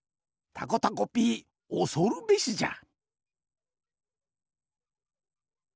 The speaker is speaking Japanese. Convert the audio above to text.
たこたこピーおそるべしじゃ。